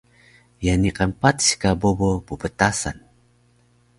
Ye niqan patis ka bobo pptasan?